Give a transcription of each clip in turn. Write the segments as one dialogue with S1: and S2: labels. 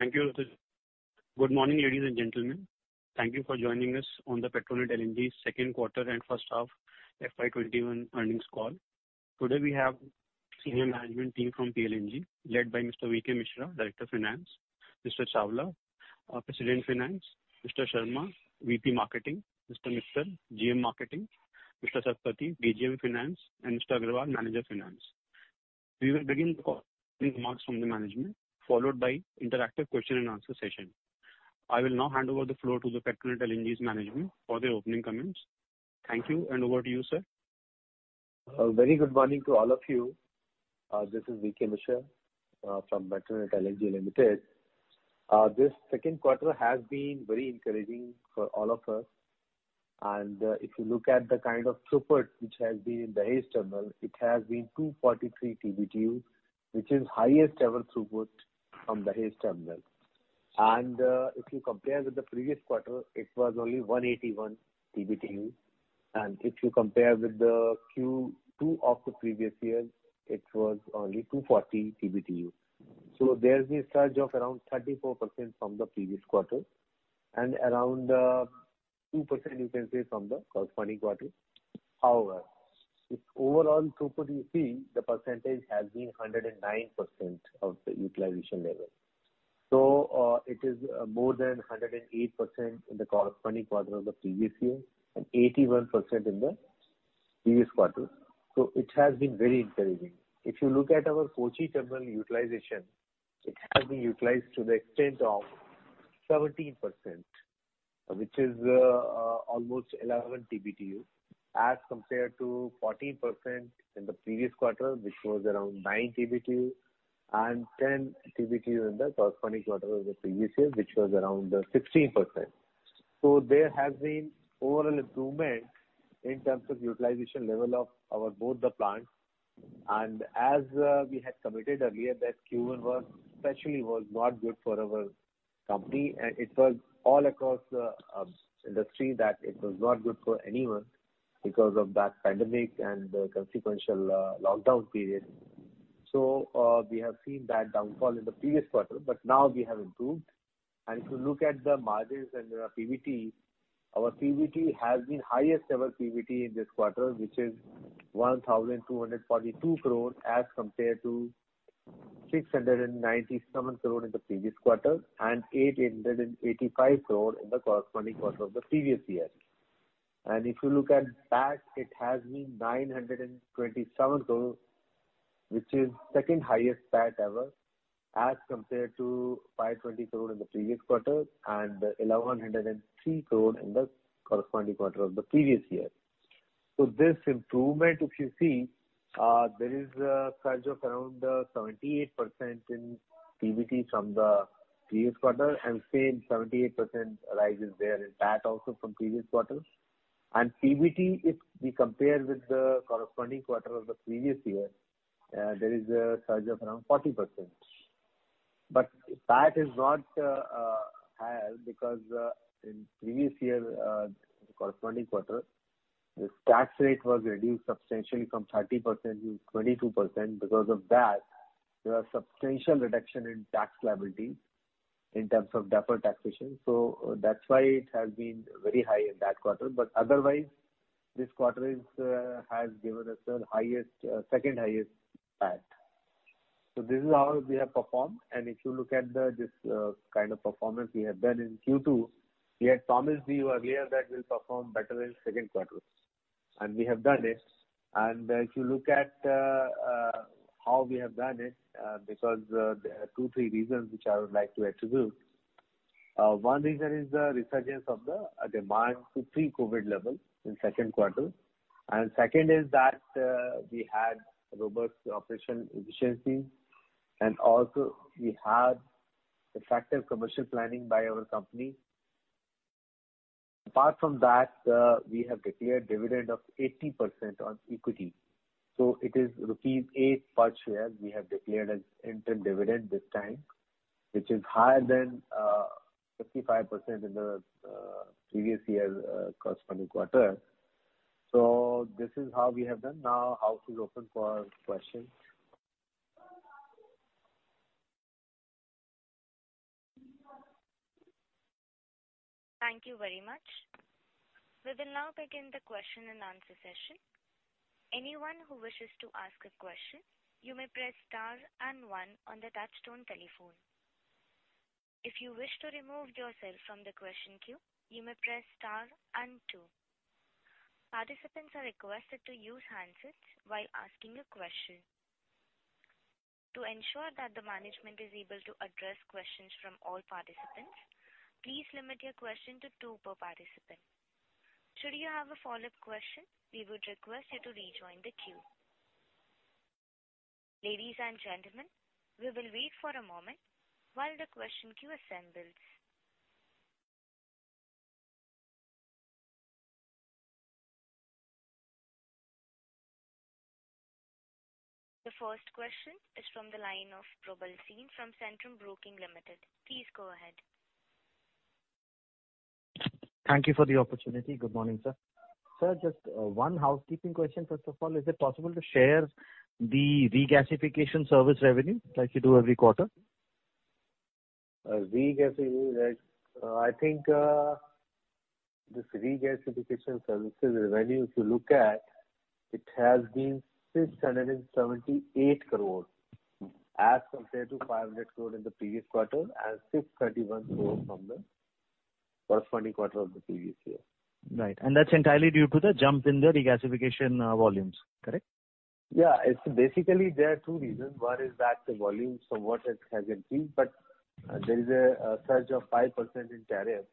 S1: Thank you. Good morning, ladies and gentlemen. Thank you for joining us on the Petronet LNG second quarter and first half FY21 earnings call. Today, we have senior management team from PLNG, led by Mr. VK Mishra, Director of Finance, Mr. Chawla, President, Finance, Mr. Sharma, VP, Marketing, Mr. Mittal, GM, Marketing, Mr. Satpathy, DGM, Finance, and Mr. Agarwal, Manager, Finance. We will begin the call with remarks from the management, followed by interactive question and answer session. I will now hand over the floor to the Petronet LNG's management for the opening comments. Thank you, and over to you, sir.
S2: Very good morning to all of you. This is VK Mishra from Petronet LNG Limited. This second quarter has been very encouraging for all of us, and if you look at the kind of throughput which has been in the Dahej terminal, it has been 243 TBTU, which is highest ever throughput from Dahej terminal. If you compare with the previous quarter, it was only 181 TBTU, and if you compare with the Q2 of the previous year, it was only 240 TBTU. So there's a surge of around 34% from the previous quarter, and around two percent you can say from the corresponding quarter. However, if overall throughput you see, the percentage has been 109% of the utilization level. So, it is more than 108% in the corresponding quarter of the previous year, and 81% in the previous quarter. So it has been very encouraging. If you look at our Kochi terminal utilization, it has been utilized to the extent of 17%, which is almost 11 TBTU, as compared to 14% in the previous quarter, which was around 9 TBTU, and 10 TBTU in the corresponding quarter of the previous year, which was around 16%. So there has been overall improvement in terms of utilization level of our both the plants. And as we had committed earlier, that Q1 was, especially, was not good for our company, and it was all across the industry, that it was not good for anyone because of that pandemic and the consequential lockdown period. So, we have seen that downfall in the previous quarter, but now we have improved. And if you look at the margins and, PBT, our PBT has been highest ever PBT in this quarter, which is 1,242 crore, as compared to 697 crore in the previous quarter, and 885 crore in the corresponding quarter of the previous year. And if you look at PAT, it has been 927 crore, which is second highest PAT ever, as compared to 520 crore in the previous quarter and 1,103 crore in the corresponding quarter of the previous year. So this improvement, if you see, there is a surge of around, 78% in PBT from the previous quarter, and same 78% rise is there in PAT also from previous quarter. PBT, if we compare with the corresponding quarter of the previous year, there is a surge of around 40%. But PAT is not high because, in previous year, corresponding quarter, the tax rate was reduced substantially from 30% to 22%. Because of that, there was substantial reduction in tax liability in terms of deferred taxation, so, that's why it has been very high in that quarter. But otherwise, this quarter has given us the highest, second highest PAT. So this is how we have performed. If you look at this kind of performance we have done in Q2, we had promised you earlier that we'll perform better in second quarter, and we have done it. If you look at how we have done it, because there are two, three reasons which I would like to attribute. One reason is the resurgence of the demand to pre-COVID level in second quarter. And second is that we had robust operation efficiency, and also we had effective commercial planning by our company. Apart from that, we have declared dividend of 80% on equity. So it is rupees 8 per share we have declared as interim dividend this time, which is higher than 55% in the previous year, corresponding quarter. So this is how we have done. Now, house is open for questions.
S1: Thank you very much. We will now begin the question and answer session. Anyone who wishes to ask a question, you may press star and one on the touchtone telephone. If you wish to remove yourself from the question queue, you may press star and two. Participants are requested to use handsets while asking a question. To ensure that the management is able to address questions from all participants, please limit your question to two per participant. Should you have a follow-up question, we would request you to rejoin the queue. Ladies and gentlemen, we will wait for a moment while the question queue assembles. The first question is from the line of Probal Sen from Centrum Broking Limited. Please go ahead.
S3: Thank you for the opportunity. Good morning, sir. Sir, just one housekeeping question. First of all, is it possible to share the regasification service revenue, like you do every quarter?
S2: Regasification, right. I think, this regasification services revenue, if you look at, it has been 678 crore as compared to 500 crore in the previous quarter, and 631 crore from the corresponding quarter of the previous year.
S3: Right. That's entirely due to the jump in the regasification volumes, correct?
S2: Yeah. It's basically there are two reasons. One is that the volumes from what it has increased, but there is a surge of 5% in tariff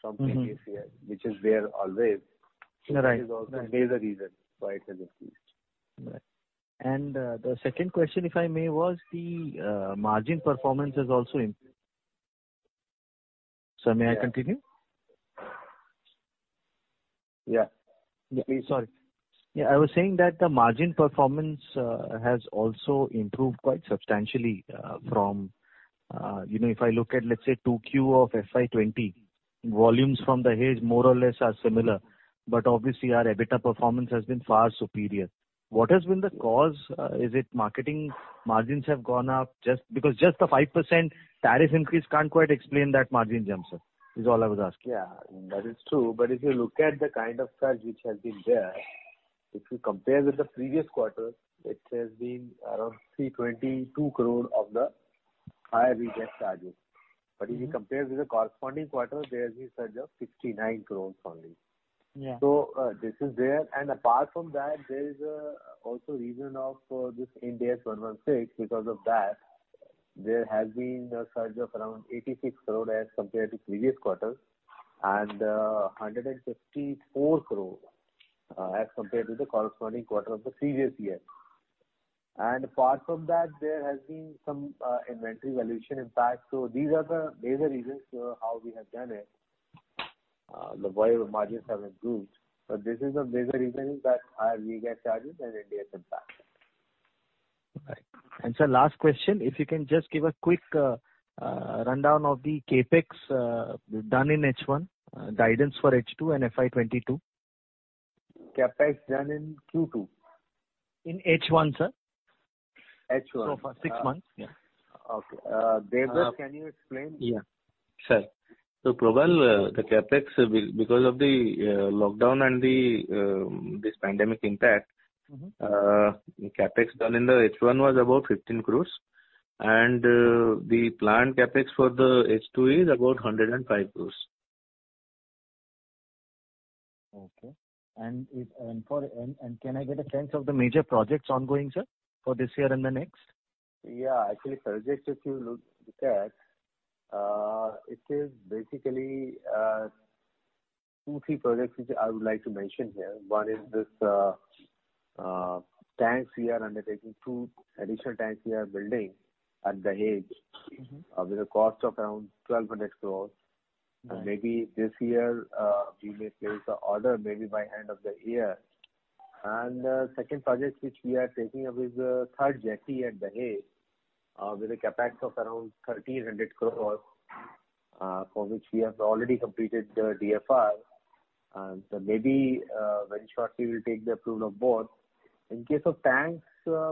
S2: from Previous year, which is there always.
S3: Right.
S2: Which is also a major reason why it has increased.
S3: Right. And, the second question, if I may, was the margin performance is also. Sir, may I continue?
S2: Yeah.
S3: Sorry. Yeah, I was saying that the margin performance has also improved quite substantially from... You know, if I look at, let's say, 2Q of FY20, volumes from Dahej more or less are similar, but obviously, our EBITDA performance has been far superior. What has been the cause? Is it marketing margins have gone up just—because just the 5% tariff increase can't quite explain that margin jump, sir, is all I was asking.
S2: Yeah, that is true. But if you look at the kind of charge which has been there, if you compare with the previous quarter, it has been around 322 crore of the higher regas charges. But if you compare with the corresponding quarter, there has been a surge of 69 crore only.
S3: Yeah.
S2: So, this is there. And apart from that, there is also reason of this Ind AS 116. Because of that, there has been a surge of around 86 crore as compared to previous quarter, and 154 crore as compared to the corresponding quarter of the previous year. And apart from that, there has been some inventory valuation impact. So these are the major reasons for how we have done it the way the margins have improved. So this is the major reason that our regas charges and Ind AS impact.
S3: Right. And sir, last question, if you can just give a quick rundown of the CapEx done in H1, guidance for H2 and FY22?
S2: CapEx done in Q2?
S3: In H1, sir.
S2: H1.
S3: For six months, yeah.
S2: Okay. Debabrata, can you explain?
S4: Yeah. Sir, so probably the CapEx will, because of the lockdown and this pandemic impact CapEx done in the H1 was about 15 crore, and the planned CapEx for the H2 is about INR 105 crore.
S3: Okay. Can I get a sense of the major projects ongoing, sir, for this year and the next?
S2: Yeah. Actually, projects, if you look at that, it is basically two, three projects which I would like to mention here. One is this, tanks we are undertaking, two additional tanks we are building at Dahej. With a cost of around 1,200 crore.
S3: Right.
S2: Maybe this year, we may place the order, maybe by end of the year. And, second project which we are taking up is the third jetty at Dahej, with a CapEx of around 1,300 crore, for which we have already completed the DFR. And so maybe, very shortly we will take the approval of board. In case of tanks,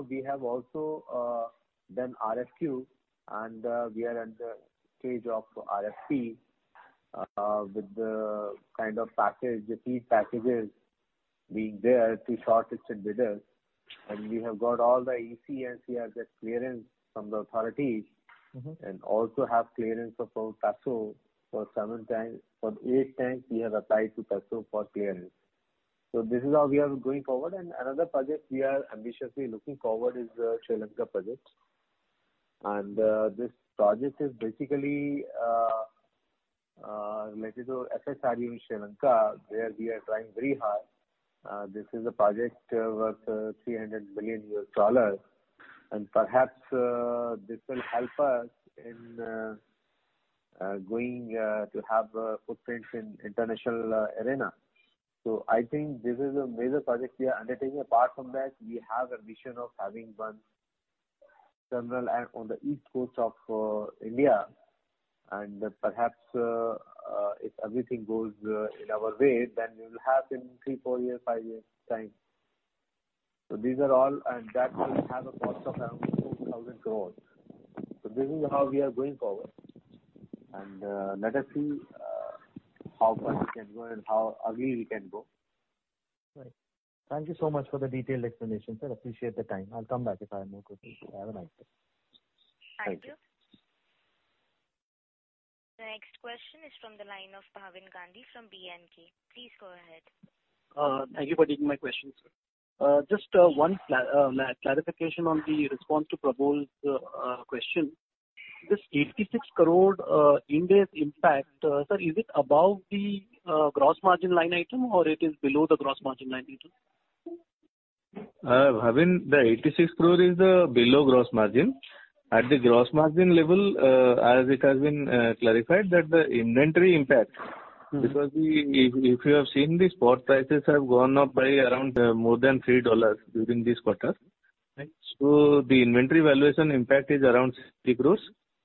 S2: we have also, done RFQ, and, we are at the stage of RFP, with the kind of package, the three packages being there to shortlisted bidders. And we have got all the EC & CRZ has got clearance from the authorities- And also have clearance for PESO for 7 tanks. For 8 tanks we have applied to PESO for clearance. So this is how we are going forward. And another project we are ambitiously looking forward is the Sri Lanka project. And this project is basically related to FSRU in Sri Lanka, where we are trying very hard. This is a project worth $300 billion, and perhaps this will help us in going to have footprints in international arena. So I think this is a major project we are undertaking. Apart from that, we have a vision of having one terminal at on the East Coast of India. And perhaps if everything goes in our way, then it will happen 3-5 years' time. These are all, and that will have a cost of around 4,000 crore. This is how we are going forward. Let us see how far we can go and how early we can go.
S3: Right. Thank you so much for the detailed explanation, sir. Appreciate the time. I'll come back if I have more questions. Have a nice day.
S1: Thank you.
S2: Thank you.
S1: The next question is from the line of Bhavin Gandhi from BNK. Please go ahead.
S5: Thank you for taking my question, sir. Just one clarification on the response to Probal's question. This 86 crore Ind AS impact, sir, is it above the gross margin line item, or it is below the gross margin line item?
S4: Bhavin, the 86 crore is below gross margin. At the gross margin level, as it has been clarified that the inventory impact If you have seen, the spot prices have gone up by around more than $3 during this quarter. So the inventory valuation impact is around 60 crore,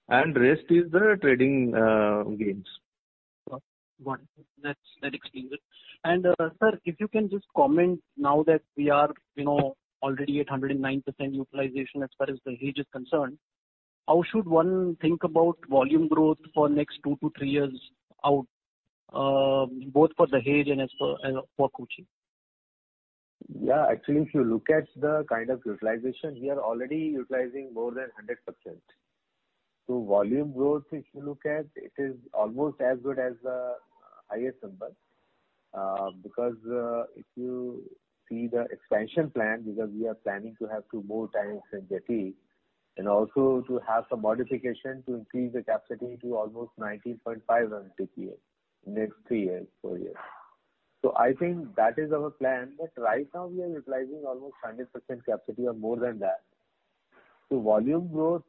S4: and the rest is the trading gains.
S5: Got it. That's that explains it. Sir, if you can just comment now that we are, you know, already at 109% utilization as far as the Dahej is concerned, how should one think about volume growth for next 2-3 years out, both for the Dahej and for Kochi?
S2: Yeah, actually, if you look at the kind of utilization, we are already utilizing more than 100%. So volume growth, if you look at, it is almost as good as the highest number. Because, if you see the expansion plan, because we are planning to have two more tanks and jetty, and also to have some modification to increase the capacity to almost 95.5 MTPA in the next three years, four years. So I think that is our plan. But right now we are utilizing almost 100% capacity or more than that. So volume growth,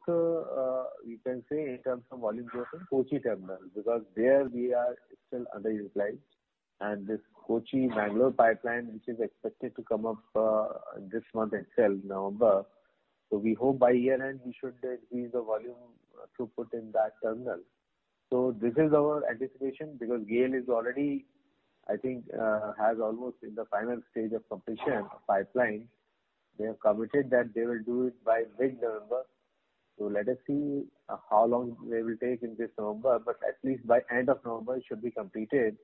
S2: we can say in terms of volume growth in Kochi terminal, because there we are still underutilized. And this Kochi-Mangaluru pipeline, which is expected to come up, this month itself, November. So we hope by year-end, we should increase the volume throughput in that terminal. So this is our anticipation, because GAIL is already, I think, has almost in the final stage of completion of pipeline. They have committed that they will do it by mid-November. So let us see how long they will take in this November, but at least by end of November, it should be completed.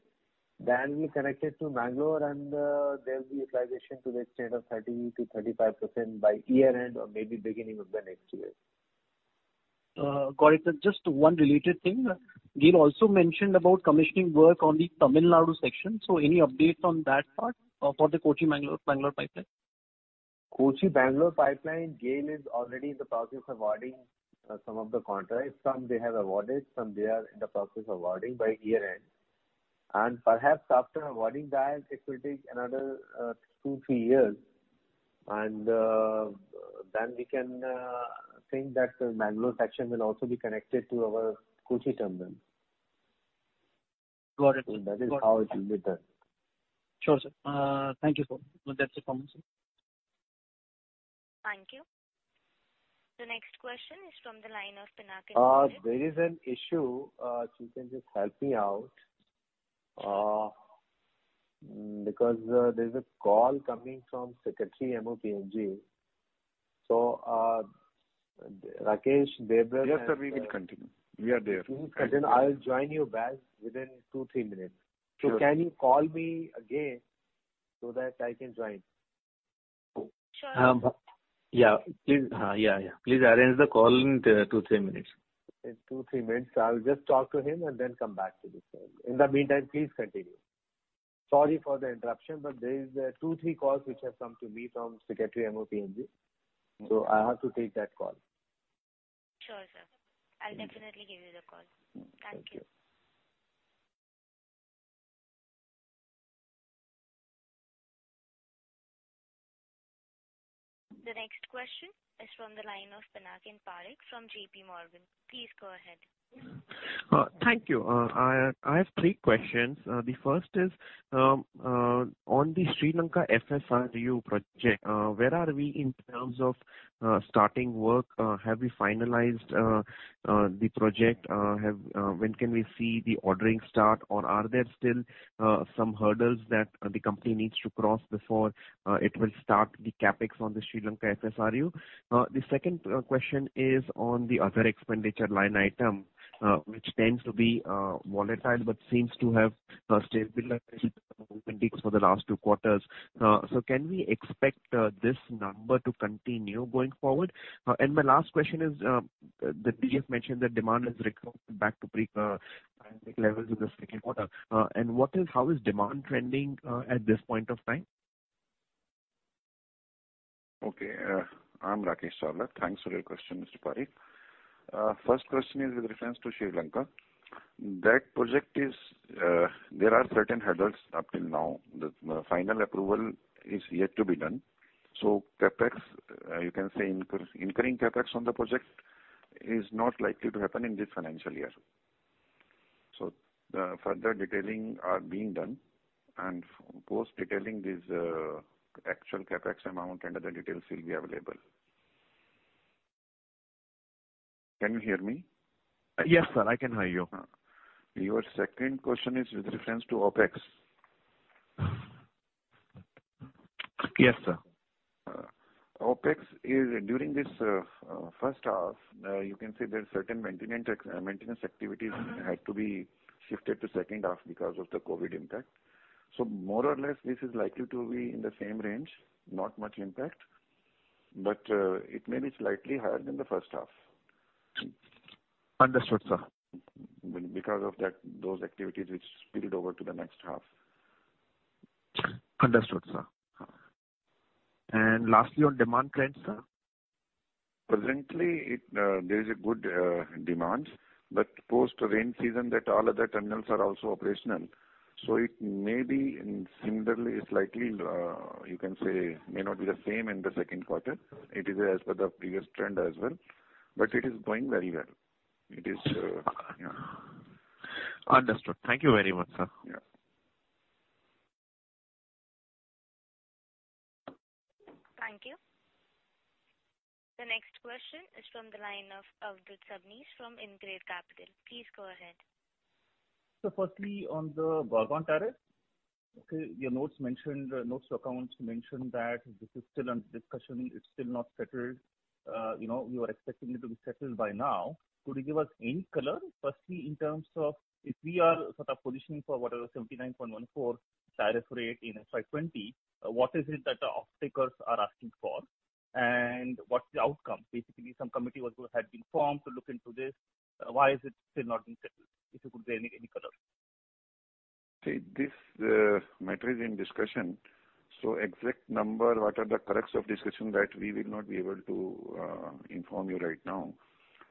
S2: Then we connect it to Mangalore, and, there will be utilization to the extent of 30%-35% by year-end or maybe beginning of the next year.
S5: Got it, sir. Just one related thing. GAIL also mentioned about commissioning work on the Tamil Nadu section. Any update on that part for the Kochi-Mangalore, Mangalore pipeline?
S2: Kochi-Mangaluru pipeline, GAIL is already in the process of awarding some of the contracts. Some they have awarded, some they are in the process of awarding by year-end. And then we can think that the Mangaluru section will also be connected to our Kochi terminal.
S5: Got it.
S2: That is how it will be done.
S5: Sure, sir. Thank you, sir. Well, that's it from me, sir.
S1: Thank you. The next question is from the line of Pinakin Parekh...
S2: There is an issue if you can just help me out. Because there's a call coming from Secretary MoPNG. So, Rakesh, Debabrata-
S6: Yes, sir, we will continue. We are there.
S2: Then I'll join you back within 2, 3 minutes.
S6: Sure.
S2: Can you call me again so that I can join?
S1: Sure.
S2: Yeah, please. Yeah, yeah. Please arrange the call in 2-3 minutes. In 2-3 minutes, I will just talk to him and then come back to this call. In the meantime, please continue. Sorry for the interruption, but there is 2-3 calls which have come to me from Secretary MoPNG, so I have to take that call.
S1: Sure, sir. I'll definitely give you the call.
S2: Thank you.
S1: The next question is from the line of Pinaki Parekh from J.P. Morgan. Please go ahead.
S7: Thank you. I have three questions. The first is on the Sri Lanka FSRU project, where are we in terms of starting work? Have we finalized the project? When can we see the ordering start, or are there still some hurdles that the company needs to cross before it will start the CapEx on the Sri Lanka FSRU? The second question is on the other expenditure line item, which tends to be volatile, but seems to have stabilized for the last two quarters. So can we expect this number to continue going forward? And my last question is, the DF mentioned that demand has recovered back to pre-pandemic levels in the second quarter. What is, how is demand trending at this point of time?
S6: Okay, I'm Rakesh Chawla. Thanks for your question, Mr. Parekh. First question is with reference to Sri Lanka. That project is, there are certain hurdles up till now. The final approval is yet to be done. So CapEx, you can say incurring CapEx on the project is not likely to happen in this financial year. So the further detailing are being done, and post-detailing this, actual CapEx amount and other details will be available. Can you hear me?
S7: Yes, sir, I can hear you.
S6: Your second question is with reference to OpEx.
S7: Yes, sir.
S6: OpEx is during this first half. You can say there are certain maintenance activities had to be shifted to second half because of the COVID-19 impact. So more or less, this is likely to be in the same range, not much impact, but it may be slightly higher than the first half.
S7: Understood, sir.
S6: Because of that, those activities which spilled over to the next half.
S7: Understood, sir. Lastly, on demand trends, sir?
S6: Presently, there is a good demand, but post-rain season that all other terminals are also operational. So it may be in similarly, slightly, you can say, may not be the same in the second quarter. It is as per the previous trend as well, but it is going very well. It is, yeah.
S7: Understood. Thank you very much, sir.
S6: Yeah.
S1: Thank you. The next question is from the line of Avadhoot Sabnis from Inga Ventures. Please go ahead.
S8: So firstly, on the regas tariff, okay, your notes mentioned that this is still under discussion, it's still not settled. You know, we were expecting it to be settled by now. Could you give us any color, firstly, in terms of if we are sort of positioning for what are the 79.14 tariff rate in FY20, what is it that the off-takers are asking for, and what's the outcome? Basically, some committee was, had been formed to look into this. Why is it still not been settled, if you could give any, any color?
S6: See, this matter is in discussion, so exact number, what are the characteristics of discussion that we will not be able to inform you right now.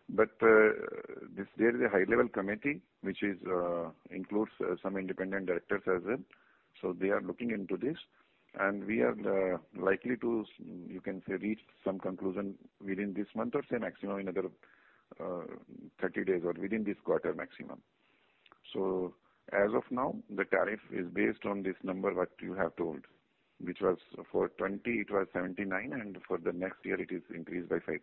S6: But, this there is a high-level committee which is includes some independent directors as well. So they are looking into this, and we are likely to, you can say, reach some conclusion within this month or say maximum another 30 days or within this quarter maximum. So as of now, the tariff is based on this number, what you have told, which was for 20, it was 79, and for the next year it is increased by 5%.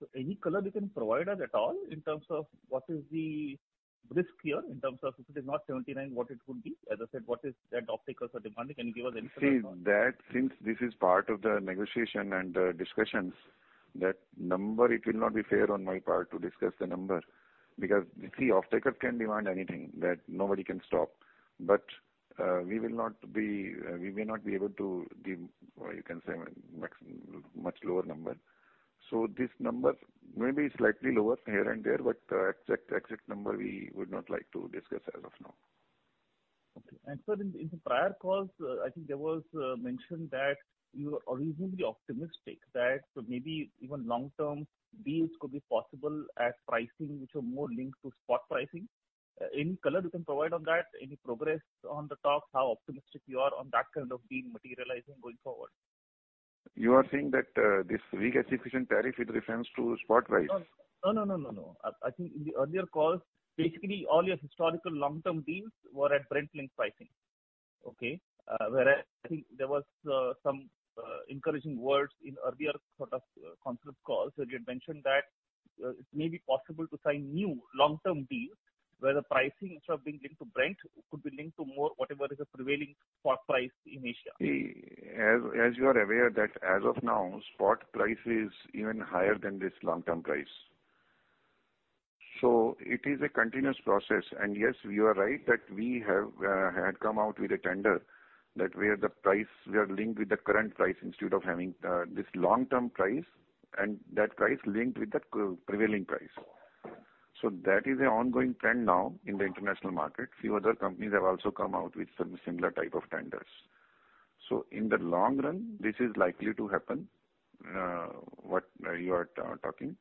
S8: So any color you can provide us at all in terms of what is the risk here, in terms of if it is not 79, what it would be? As I said, what is that off-takers are demanding. Can you give us any color at all?
S6: See, that since this is part of the negotiation and discussions, that number, it will not be fair on my part to discuss the number. Because, you see, off-takers can demand anything that nobody can stop, but we will not be, we may not be able to give, you can say, much lower number. So this number may be slightly lower here and there, but exact, exact number we would not like to discuss as of now.
S8: Okay. And sir, in the prior calls, I think there was mention that you were originally optimistic that maybe even long-term deals could be possible at pricing which are more linked to spot pricing. Any color you can provide on that, any progress on the talks, how optimistic you are on that kind of deal materializing going forward?
S6: You are saying that this weak efficient tariff with reference to spot price?
S8: No, no, no, no, no. I, I think in the earlier calls, basically, all your historical long-term deals were at Brent link pricing. Okay? Whereas I think there was some encouraging words in earlier sort of concept calls, where you had mentioned that it may be possible to sign new long-term deals, where the pricing, instead of being linked to Brent, could be linked to more whatever is the prevailing spot price in Asia.
S6: See, as you are aware, that as of now, spot price is even higher than this long-term price. So it is a continuous process. And yes, you are right that we have had come out with a tender that where the price we are linked with the current price instead of having this long-term price, and that price linked with the prevailing price. So that is an ongoing trend now in the international market. Few other companies have also come out with some similar type of tenders. So in the long run, this is likely to happen what you are talking.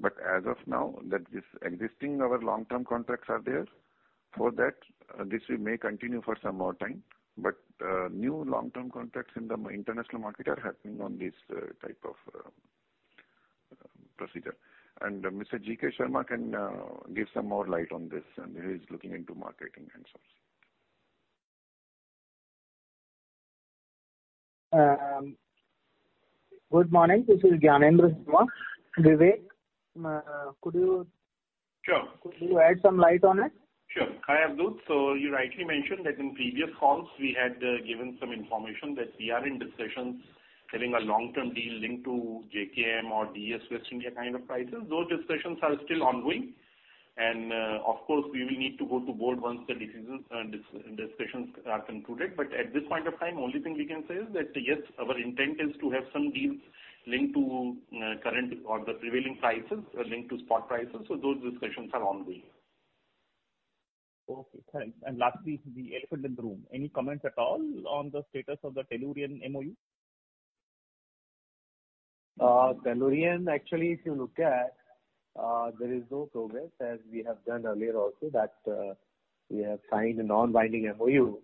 S6: But as of now, that this existing our long-term contracts are there. For that, this may continue for some more time, but new long-term contracts in the international market are happening on this type of procedure. And Mr. G.K. Sharma can give some more light on this, and he is looking into marketing and sales.
S2: Good morning, this is Gyanendra Sharma. Vivek, could you-
S9: Sure.
S2: Could you add some light on it?
S9: Sure. Hi, Avadhoot. So you rightly mentioned that in previous calls we had given some information that we are in discussions having a long-term deal linked to JKM or DES West India kind of prices. Those discussions are still ongoing, and, of course, we will need to go to board once the decisions, discussions are concluded. But at this point of time, only thing we can say is that, yes, our intent is to have some deals linked to current or the prevailing prices, linked to spot prices. So those discussions are ongoing.
S8: Okay, thanks. And lastly, the elephant in the room. Any comments at all on the status of the Tellurian MOU?
S2: Tellurian, actually, if you look at, there is no progress, as we have done earlier also that, we have signed a non-binding MOU.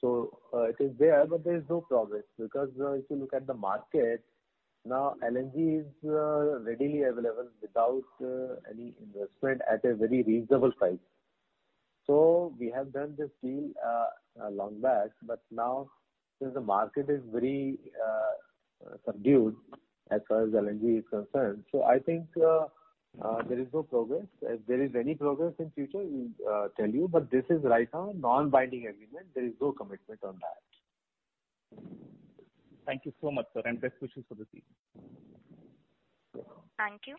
S2: So, it is there, but there is no progress, because, if you look at the market, now LNG is, readily available without, any investment at a very reasonable price. So we have done this deal, long back, but now since the market is very, subdued as far as LNG is concerned, so I think, there is no progress. If there is any progress in future, we'll, tell you, but this is right now a non-binding agreement. There is no commitment on that.
S8: Thank you so much, sir, and best wishes for the team.
S1: Thank you.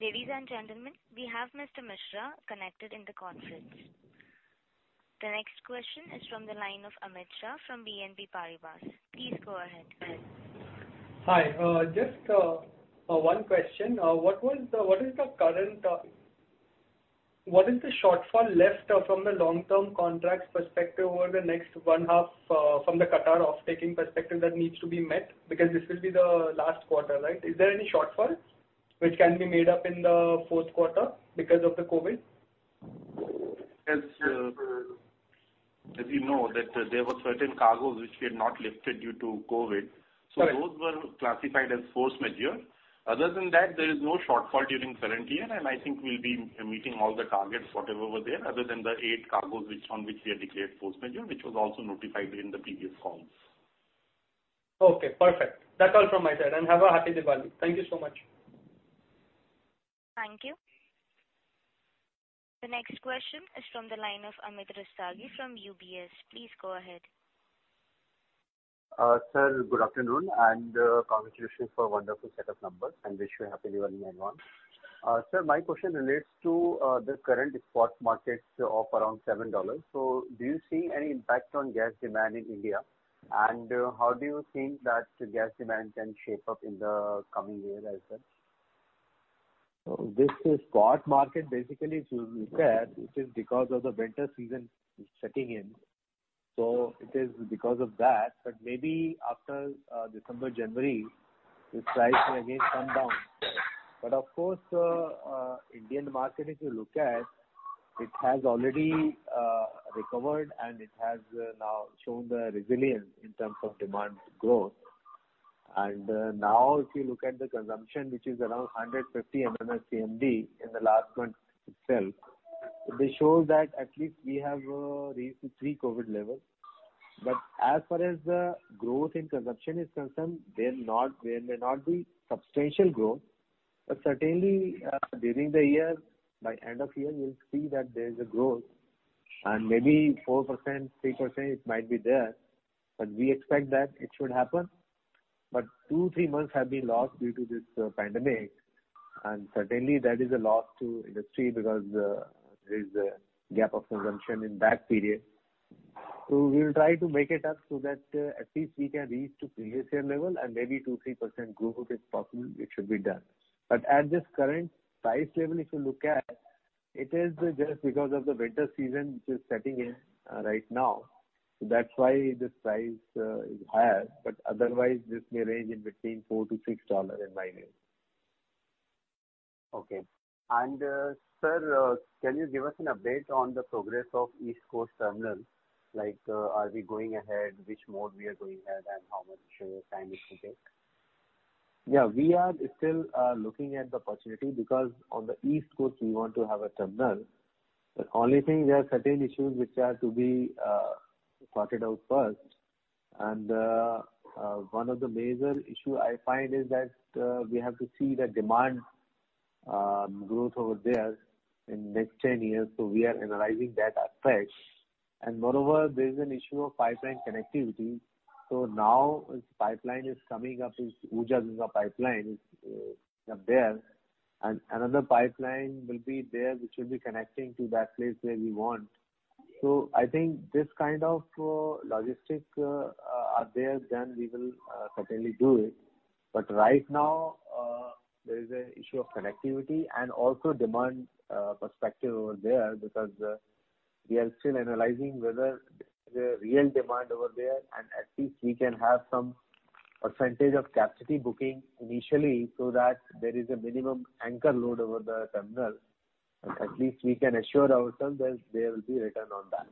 S1: Ladies and gentlemen, we have Mr. Mishra connected in the conference. The next question is from the line of Amit Shah from BNP Paribas. Please go ahead.
S10: Hi. Just one question. What is the current... What is the shortfall left from the long-term contracts perspective over the next one half from the Qatar off-taking perspective that needs to be met? Because this will be the last quarter, right? Is there any shortfall which can be made up in the fourth quarter because of the COVID?
S2: As you know, that there were certain cargoes which we had not lifted due to COVID.
S10: Right.
S2: So those were classified as Force Majeure. Other than that, there is no shortfall during current year, and I think we'll be meeting all the targets, whatever were there, other than the 8 cargoes on which we had declared Force Majeure, which was also notified in the previous calls.
S10: Okay, perfect. That's all from my side, and have a happy Diwali. Thank you so much.
S1: Thank you. The next question is from the line of Amit Rustagi from UBS. Please go ahead.
S11: Sir, good afternoon, and congratulations for wonderful set of numbers, and wish you a happy Diwali in advance. Sir, my question relates to the current spot markets of around $7. So do you see any impact on gas demand in India? And how do you think that gas demand can shape up in the coming year as well?
S2: So this is spot market. Basically, if you look at, it is because of the winter season setting in, so it is because of that. But maybe after December, January, this price can again come down. But of course, Indian market, if you look at, it has already recovered, and it has now shown the resilience in terms of demand growth. And now, if you look at the consumption, which is around 150 MMSCMD in the last month itself, this shows that at least we have reached the pre-COVID level. As far as the growth in consumption is concerned, there may not be substantial growth, but certainly, during the year, by end of year, we'll see that there is a growth, and maybe 3%-4%, it might be there, but we expect that it should happen. Two, three months have been lost due to this pandemic, and certainly that is a loss to industry because there is a gap of consumption in that period. So we will try to make it up so that at least we can reach to previous year level and maybe 2%-3% growth, if possible, it should be done. But at this current price level, if you look at it, it is just because of the winter season, which is setting in right now. That's why this price is higher, but otherwise this may range in between $4-$6 in my view.
S11: Okay. Sir, can you give us an update on the progress of East Coast Terminal? Like, are we going ahead? Which mode we are going ahead, and how much time it will take?
S2: Yeah, we are still looking at the opportunity because on the East Coast, we want to have a terminal. The only thing, there are certain issues which are to be sorted out first. And one of the major issue I find is that we have to see the demand growth over there in next 10 years. So we are analyzing that aspect. And moreover, there's an issue of pipeline connectivity. So now, this pipeline is coming up, this Urja pipeline, up there, and another pipeline will be there, which will be connecting to that place where we want. So I think this kind of logistics are there, then we will certainly do it. Right now, there is an issue of connectivity and also demand perspective over there, because we are still analyzing whether there's a real demand over there, and at least we can have some percentage of capacity booking initially, so that there is a minimum anchor load over the terminal. At least we can assure ourselves that there will be return on that.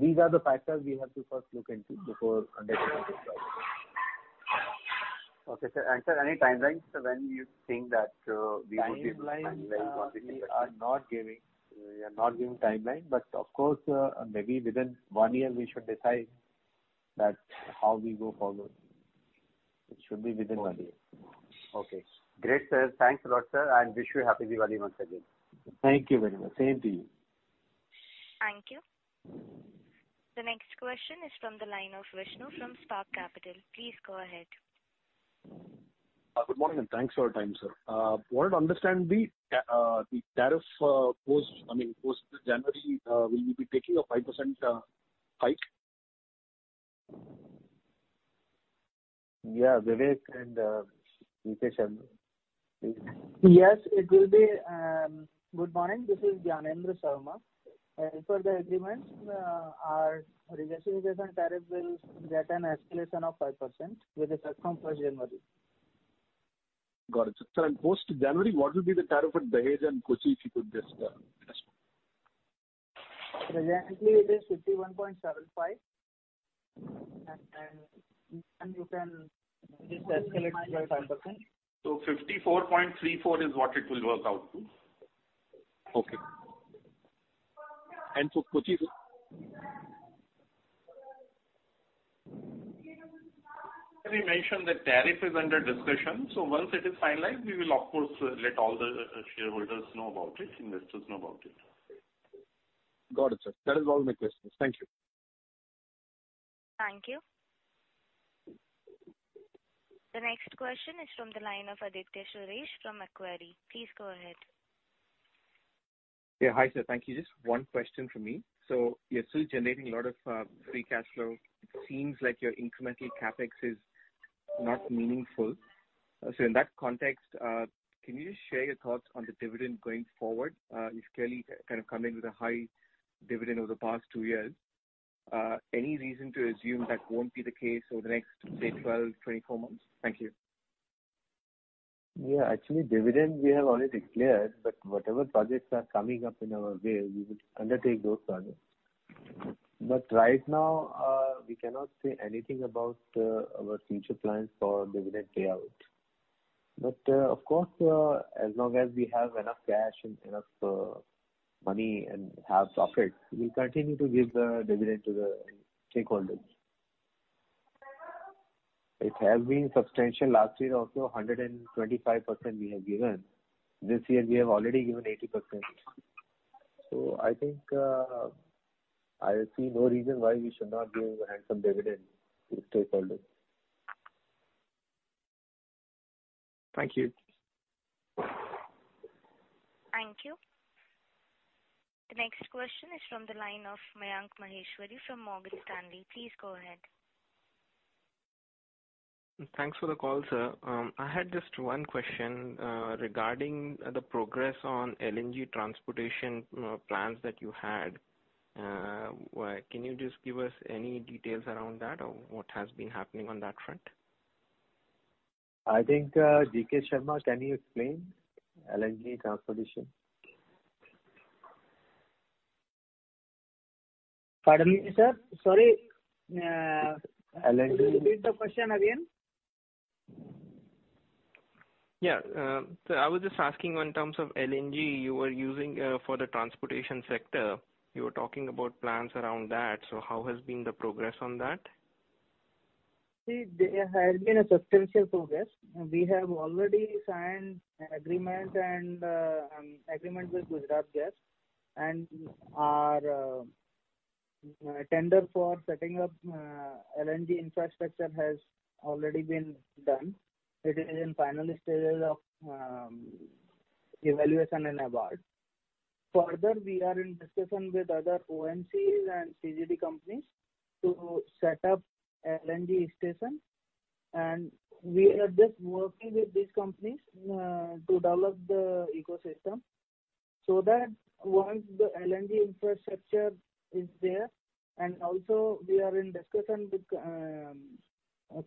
S2: These are the factors we have to first look into before undertaking this project.
S11: Okay, sir. And sir, any timelines when you think that, we would be-
S2: Timeline, we are not giving. We are not giving timeline, but of course, maybe within one year, we should decide that how we go forward. It should be within one year.
S11: Okay. Great, sir. Thanks a lot, sir, and wish you a happy Diwali once again.
S2: Thank you very much. Same to you.
S1: Thank you. The next question is from the line of Vishnu from Spark Capital. Please go ahead.
S12: Good morning, and thanks for your time, sir. Wanted to understand the tariff, post, I mean, post January, will you be taking a 5% hike?
S2: Yeah, Vivek and Mukesh...
S13: Yes, it will be. Good morning, this is Gyanendra Sharma. As per the agreement, our regasification tariff will get an escalation of 5%, which is from first January.
S12: Got it. Sir, and post-January, what will be the tariff at Dahej and Kochi, if you could just answer?
S13: Presently, it is 51.75, and you can just escalate by 5%.
S12: 54.34 is what it will work out to. Okay. For Kochi?
S2: We mentioned that tariff is under discussion, so once it is finalized, we will of course let all the shareholders know about it, investors know about it.
S3: Got it, sir. That is all my questions. Thank you.
S1: Thank you. The next question is from the line of Aditya Suresh from Macquarie. Please go ahead.
S14: Yeah. Hi, sir. Thank you. Just one question from me. So you're still generating a lot of free cash flow. It seems like your incremental CapEx is not meaningful. So in that context, can you just share your thoughts on the dividend going forward? You've clearly kind of come in with a high dividend over the past two years. Any reason to assume that won't be the case over the next, say, 12, 24 months? Thank you.
S2: Yeah, actually, dividend we have already declared, but whatever projects are coming up in our way, we will undertake those projects. But right now, we cannot say anything about our future plans for dividend payout. But, of course, as long as we have enough cash and enough money and have profits, we'll continue to give the dividend to the stakeholders. It has been substantial. Last year also, 125% we have given. This year we have already given 80%. So I think, I see no reason why we should not give a handsome dividend to stakeholders.
S14: Thank you.
S1: Thank you. The next question is from the line of Mayank Maheshwari from Morgan Stanley. Please go ahead.
S15: Thanks for the call, sir. I had just one question regarding the progress on LNG transportation plans that you had. Can you just give us any details around that, or what has been happening on that front?
S2: I think, G.K. Sharma, can you explain LNG transportation?
S13: Pardon me, sir. Sorry,
S2: LNG.
S13: Repeat the question again.
S15: Yeah. So I was just asking on terms of LNG you were using for the transportation sector. You were talking about plans around that, so how has been the progress on that?
S13: See, there has been a substantial progress. We have already signed an agreement and agreement with Gujarat Gas, and our tender for setting up LNG infrastructure has already been done. It is in final stages of evaluation and award. Further, we are in discussion with other OMCs and CGD companies to set up LNG station, and we are just working with these companies to develop the ecosystem, so that once the LNG infrastructure is there, and also we are in discussion with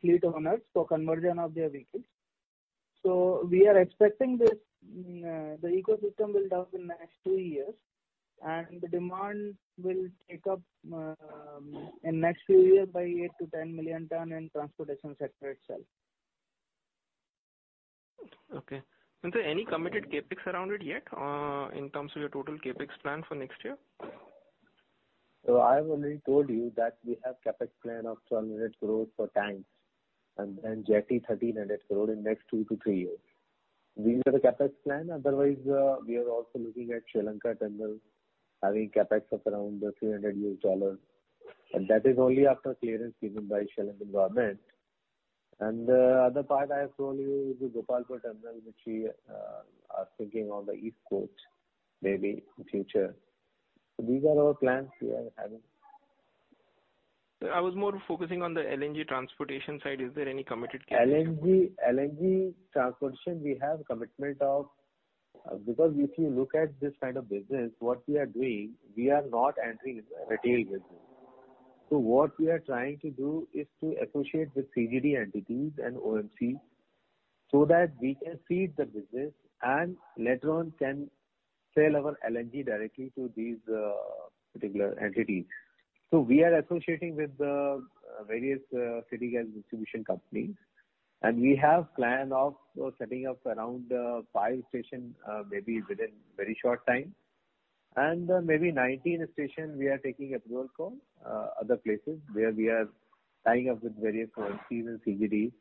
S13: fleet owners for conversion of their vehicles. So we are expecting this, the ecosystem will develop in the next two years, and the demand will take up in next few years by 8-10 million ton in transportation sector itself.
S15: Okay. And so any committed CapEx around it yet, in terms of your total CapEx plan for next year?
S2: So I have already told you that we have CapEx plan of 1,200 crore for tanks, and then Jetty 1,300 crore in next 2-3 years. These are the CapEx plan. Otherwise, we are also looking at Sri Lanka terminal, having CapEx of around $300, and that is only after clearance given by Shell and the government. And, other part I have shown you, the Gopalpur terminal, which we are thinking on the East Coast, maybe in future. So these are our plans we are having.
S15: Sir, I was more focusing on the LNG transportation side. Is there any committed CapEx?
S2: LNG, LNG transportation, we have commitment of... Because if you look at this kind of business, what we are doing, we are not entering retail business. So what we are trying to do is to associate with CGD entities and OMCs, so that we can seed the business, and later on can sell our LNG directly to these, particular entities. So we are associating with the, various, city gas distribution companies, and we have plan of setting up around, 5 station, maybe within very short time. Maybe 19 station we are taking approval from, other places, where we are tying up with various OMCs and CGDs,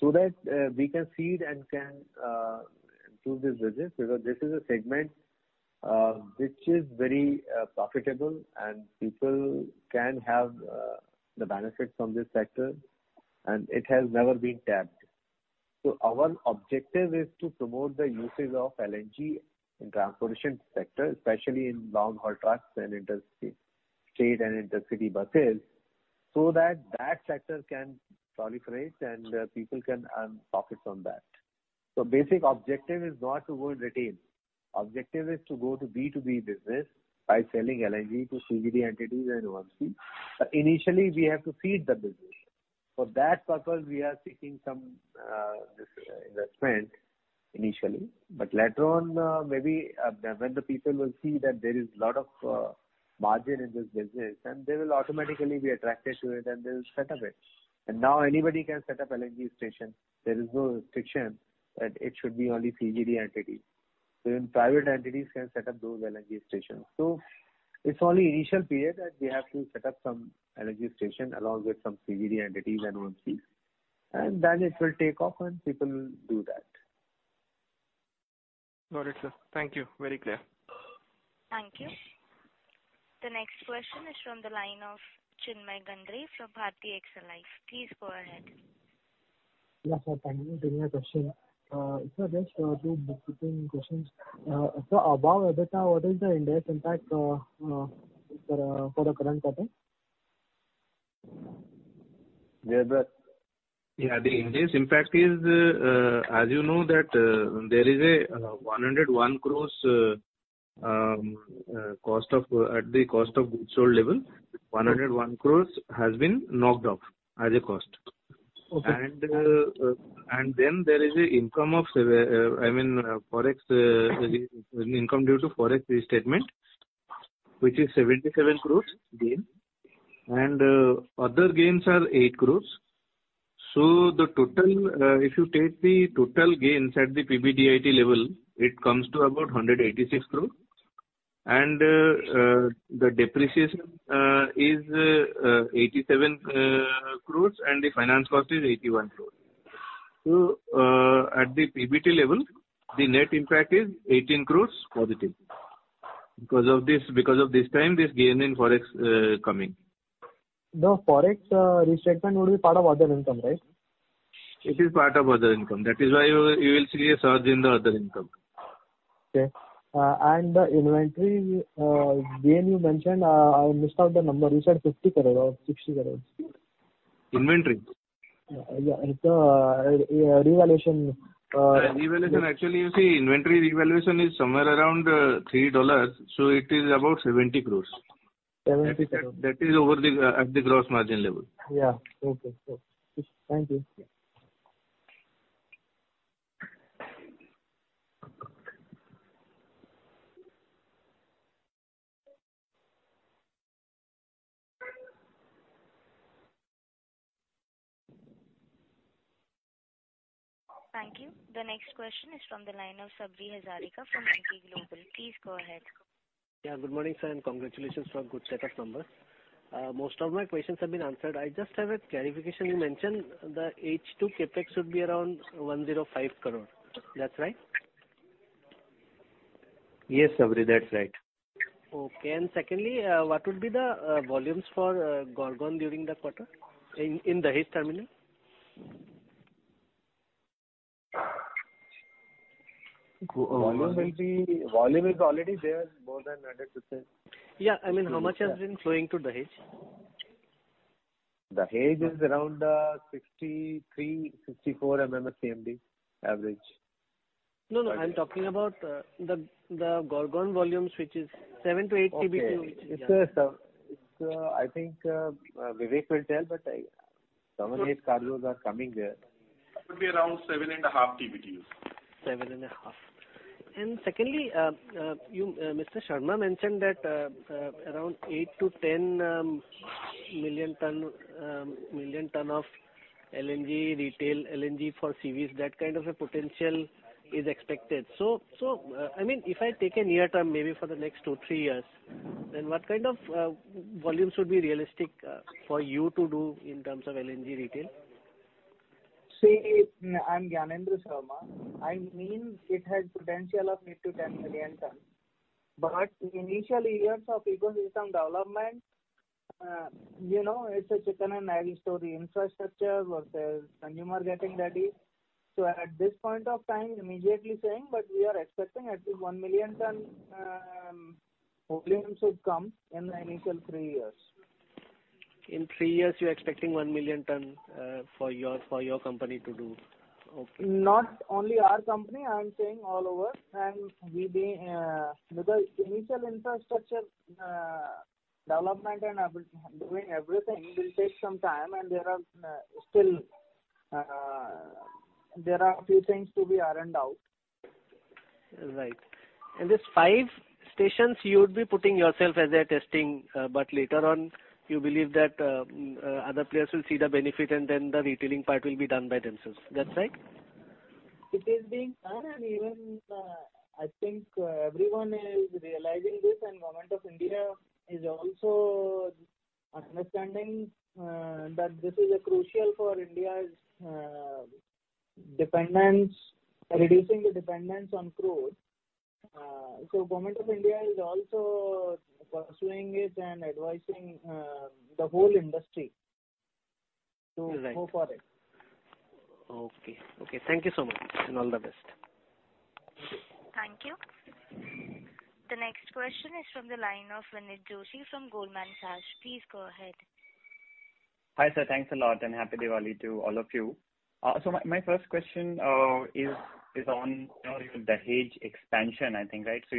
S2: so that, we can seed and can, improve this business. Because this is a segment, which is very, profitable and people can have, the benefit from this sector, and it has never been tapped. So our objective is to promote the usage of LNG in transportation sector, especially in long-haul trucks and intercity, state and intercity buses, so that, that sector can proliferate and, people can earn profits on that. So basic objective is not to go in retail. Objective is to go to B2B business by selling LNG to CGD entities and OMCs. But initially, we have to seed the business. For that purpose, we are seeking some, this investment initially. But later on, maybe, when the people will see that there is a lot of, margin in this business, then they will automatically be attracted to it, and they will set up it. Now anybody can set up LNG station. There is no restriction, that it should be only CGD entity. Even private entities can set up those LNG stations. So it's only initial period that we have to set up some LNG station along with some CGD entities and OMCs, and then it will take off, and people will do that.
S15: Got it, sir. Thank you. Very clear.
S1: Thank you. The next question is from the line of Chinmay Gandre from Bharti AXA Life. Please go ahead.
S16: Yeah, sir, thank you. Giving a question. So just two quick questions. So above EBITDA, what is the index impact for the current quarter?
S2: Yeah, but-
S4: Yeah, the index impact is, as you know, that there is a 101 crore,...
S2: cost of, at the cost of goods sold level, 101 crore has been knocked off as a cost.
S16: Okay.
S2: Then there is an income of, I mean, Forex income due to Forex restatement, which is 77 crore gain, and other gains are 8 crore. So the total, if you take the total gains at the PBDIT level, it comes to about 186 crore. The depreciation is 87 crore, and the finance cost is 81 crore. So at the PBT level, the net impact is 18 crore positive. Because of this, because of this time, this gain in Forex coming.
S16: The Forex restatement would be part of other income, right?
S2: It is part of other income. That is why you, you will see a surge in the other income.
S16: Okay. And the inventory gain you mentioned, I missed out the number. You said 50 crore or 60 crore?
S2: Inventory?
S16: Yeah, it's revaluation...
S2: Revaluation. Actually, you see, inventory revaluation is somewhere around $3, so it is about 70 crore.
S16: Seventy crores.
S2: That is over the, at the gross margin level.
S16: Yeah. Okay, cool. Thank you.
S1: Thank you. The next question is from the line of Sabri Hazarika from Emkay Global. Please go ahead.
S17: Yeah, good morning, sir, and congratulations for a good set of numbers. Most of my questions have been answered. I just have a clarification. You mentioned the H2 CapEx would be around 105 crore. That's right?
S2: Yes, Sabri, that's right.
S17: Okay. And secondly, what would be the volumes for Gorgon during the quarter in the Dahej terminal?
S2: Volume is already there, more than 100%.
S17: Yeah, I mean, how much has been flowing to Dahej?
S2: Dahej is around 63-64 MMSCMD, average.
S17: No, no, I'm talking about the Gorgon volumes, which is 7-8 TBTU.
S2: Okay. I think Vivek will tell, but 7-8 cargoes are coming there.
S17: It would be around 7.5 TBTUs. 7.5. And secondly, you, Mr. Sharma mentioned that, around 8-10 million tons of LNG, retail LNG for CVs, that kind of a potential is expected. So, I mean, if I take a near term, maybe for the next 2-3 years, then what kind of volumes would be realistic for you to do in terms of LNG retail?
S13: See, I'm Gyanendra Sharma. I mean, it has potential of 8-10 million tons. But initial years of ecosystem development, you know, it's a chicken and egg story. Infrastructure versus consumer getting ready. So at this point of time, immediately saying, but we are expecting at least 1 million ton volume should come in the initial three years.
S17: In three years, you're expecting 1 million ton for your company to do? Okay.
S13: Not only our company, I'm saying all over, and we be. Because initial infrastructure development and doing everything will take some time, and there are still a few things to be ironed out.
S17: Right. And these five stations, you would be putting yourself as a testing, but later on, you believe that other players will see the benefit and then the retailing part will be done by themselves. That's right?
S13: It is being done, and even, I think, everyone is realizing this, and Government of India is also understanding that this is crucial for India's dependence, reducing the dependence on crude. So Government of India is also pursuing it and advising the whole industry-
S17: Right.
S13: To go for it.
S17: Okay. Okay, thank you so much, and all the best.
S1: Thank you. The next question is from the line of Vineet Joshi from Goldman Sachs. Please go ahead.
S18: Hi, sir, thanks a lot, and Happy Diwali to all of you. So my first question is on, you know, your Dahej expansion, I think, right? So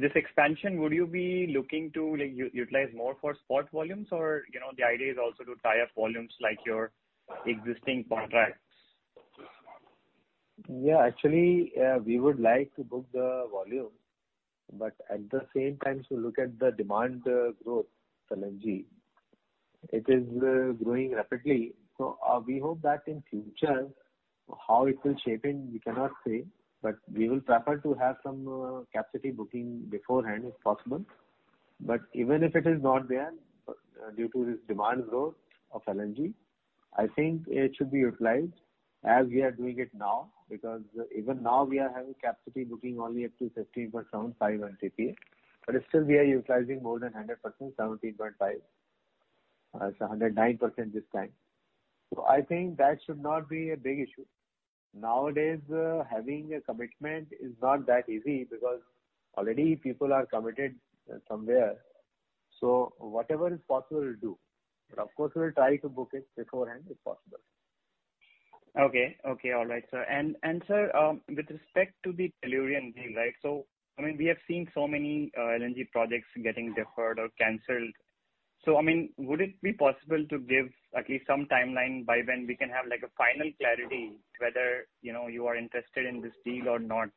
S18: this expansion, would you be looking to, like, utilize more for spot volumes, or you know, the idea is also to tie up volumes like your existing contracts?
S2: Yeah, actually, we would like to book the volume, but at the same time, to look at the demand growth for LNG, it is growing rapidly. So, we hope that in future, how it will shape in, we cannot say, but we will prefer to have some capacity booking beforehand, if possible. But even if it is not there, due to this demand growth of LNG, I think it should be utilized as we are doing it now, because even now we are having capacity booking only up to 15.75 MTPA, but still we are utilizing more than 100%, 17.5. It's 109% this time. So I think that should not be a big issue. Nowadays, having a commitment is not that easy, because already people are committed somewhere. So whatever is possible, we'll do. But of course, we'll try to book it beforehand if possible.
S18: Okay. Okay, all right, sir. And, and, sir, with respect to the Tellurian deal, right, so, I mean, we have seen so many LNG projects getting deferred or canceled. So, I mean, would it be possible to give at least some timeline by when we can have, like, a final clarity whether, you know, you are interested in this deal or not?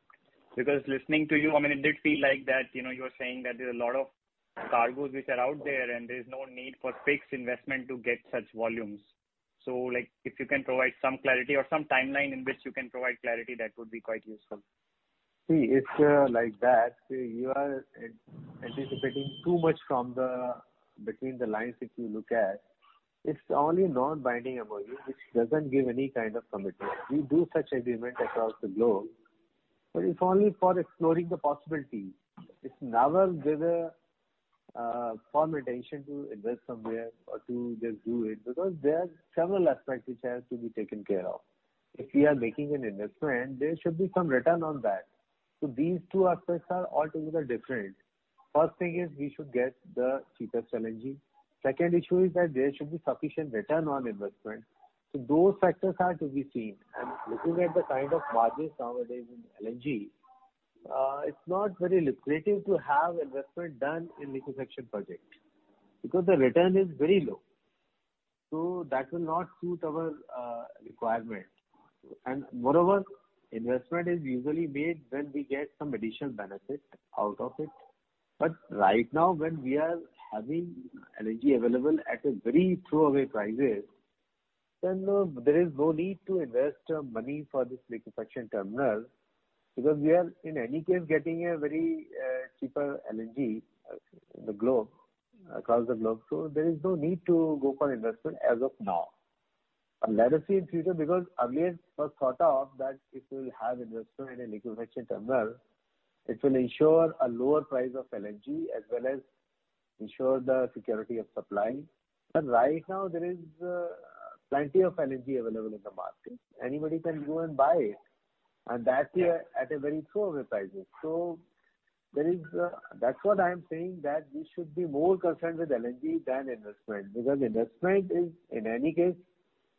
S18: Because listening to you, I mean, it did feel like that, you know, you were saying that there's a lot of cargoes which are out there, and there's no need for fixed investment to get such volumes. So like, if you can provide some clarity or some timeline in which you can provide clarity, that would be quite useful.
S2: See, it's like that. You are anticipating too much from reading between the lines, if you look at. It's only non-binding agreement, which doesn't give any kind of commitment. We do such agreement across the globe, but it's only for exploring the possibility. It's never with a firm intention to invest somewhere or to just do it, because there are several aspects which has to be taken care of. If we are making an investment, there should be some return on that. So these two aspects are altogether different. First thing is, we should get the cheapest LNG. Second issue is that there should be sufficient return on investment. So those factors are to be seen. Looking at the kind of margins nowadays in LNG, it's not very lucrative to have investment done in liquefaction project, because the return is very low, so that will not suit our requirement. Moreover, investment is usually made when we get some additional benefit out of it. But right now, when we are having LNG available at a very throwaway prices, then there is no need to invest money for this liquefaction terminal, because we are, in any case, getting a very cheaper LNG in the globe, across the globe. So there is no need to go for investment as of now. Let us see in future, because earlier it was thought of that if we will have investment in a liquefaction terminal, it will ensure a lower price of LNG, as well as ensure the security of supply. But right now there is plenty of LNG available in the market. Anybody can go and buy it, and that's at a very throwaway prices. So there is... That's what I'm saying, that we should be more concerned with LNG than investment. Because investment is, in any case,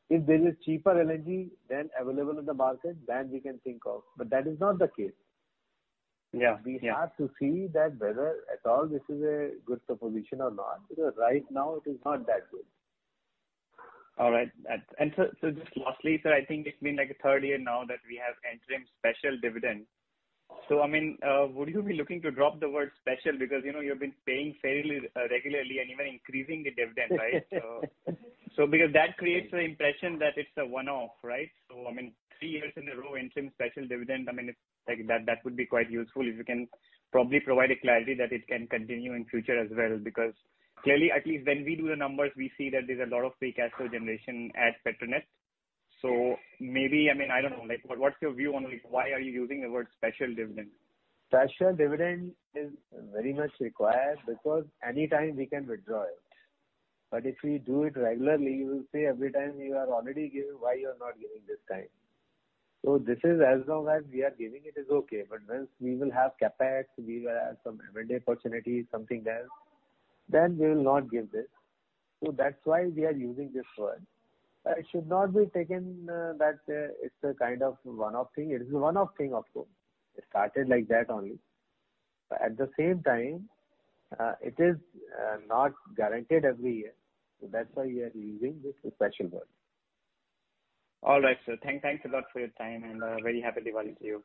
S2: if there is cheaper LNG, then available in the market, then we can think of, but that is not the case.
S18: Yeah. Yeah.
S2: We have to see that whether at all this is a good proposition or not, because right now it is not that good.
S18: All right. So just lastly, sir, I think it's been like a third year now that we have entered in special dividend. So I mean, would you be looking to drop the word "special"? Because, you know, you've been paying fairly regularly and even increasing the dividend, right? So because that creates the impression that it's a one-off, right? So, I mean, three years in a row, interim special dividend, I mean, it's like that, that would be quite useful if you can probably provide a clarity that it can continue in future as well. Because clearly, at least when we do the numbers, we see that there's a lot of free cash flow generation at Petronet. So maybe, I mean, I don't know, like, what, what's your view on, like, why are you using the word special dividend?
S2: Special dividend is very much required, because anytime we can withdraw it. But if we do it regularly, you will say every time you are already giving, why you are not giving this time? So this is as long as we are giving it is okay, but once we will have CapEx, we will have some M&A opportunity, something else, then we will not give this. So that's why we are using this word. But it should not be taken that it's a kind of one-off thing. It is a one-off thing, of course. It started like that only. But at the same time, it is not guaranteed every year. So that's why we are using this special word.
S10: All right, sir. Thank, thanks a lot for your time, and, very happy Diwali to you.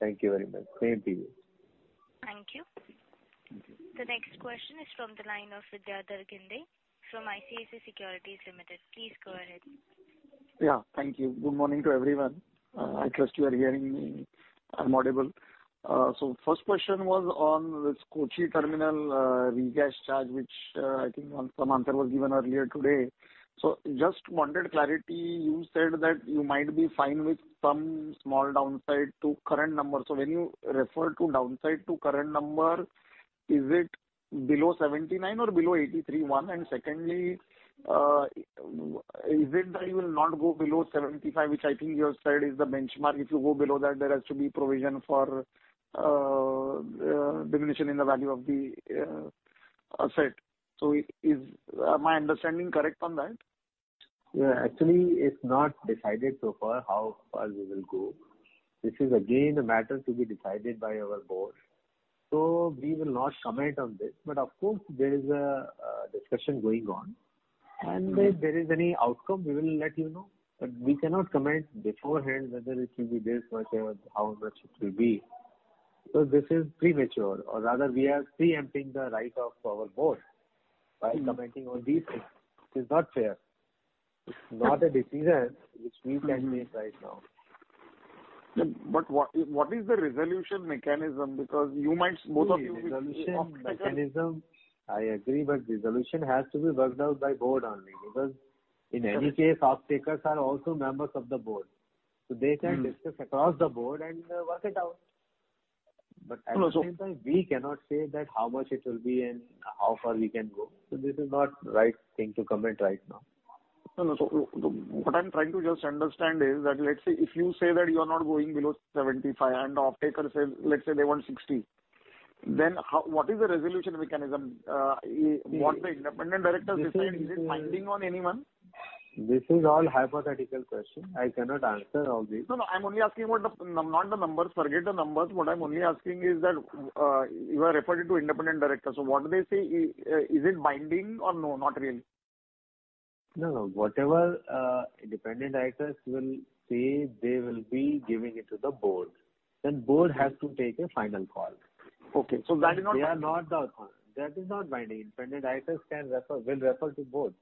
S2: Thank you very much. Same to you.
S1: Thank you.
S2: Thank you.
S1: The next question is from the line of Vidyadhar Ginde from ICICI Securities Limited. Please go ahead.
S19: Yeah, thank you. Good morning to everyone. I trust you are hearing me, I'm audible. So first question was on this Kochi terminal, regas charge, which, I think some answer was given earlier today. So just wanted clarity. You said that you might be fine with some small downside to current numbers. So when you refer to downside to current number, is it below 79 or below 83.1? And secondly, is it that you will not go below 75, which I think you have said is the benchmark. If you go below that, there has to be provision for, diminution in the value of the, asset. So is, my understanding correct on that?
S2: Yeah. Actually, it's not decided so far how far we will go. This is again a matter to be decided by our board. So we will not comment on this. But of course, there is a discussion going on, and if there is any outcome, we will let you know. But we cannot comment beforehand whether it will be this much or how much it will be, because this is premature, or rather we are pre-empting the right of our board by commenting on these things. It is not fair. It's not a decision which we can make right now.
S19: What, what is the resolution mechanism? Because you might, both of you-
S2: Resolution mechanism, I agree, but resolution has to be worked out by board only. Because in any case, stakeholders are also members of the board, so they can discuss across the board and work it out. But at the same time, we cannot say that how much it will be and how far we can go. So this is not right thing to comment right now. ...
S19: No, no. So what I'm trying to just understand is that, let's say, if you say that you are not going below 75, and the offtaker says, let's say, they want 60, then what is the resolution mechanism? What the independent directors decide, is it binding on anyone?
S2: This is all hypothetical question. I cannot answer all these.
S19: No, no, I'm only asking about the, not the numbers, forget the numbers. What I'm only asking is that, you are referring to independent directors, so what do they say? Is it binding or no, not really?
S2: No, no. Whatever independent directors will say, they will be giving it to the board, then board has to take a final call.
S19: Okay. That is not.
S2: That is not binding. Independent directors can refer, will refer to board.